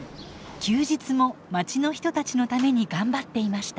休日もまちの人たちのために頑張っていました。